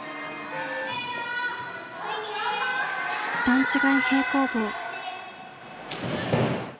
段違い平行棒。